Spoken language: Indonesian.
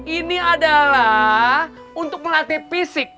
ini adalah untuk melatih fisik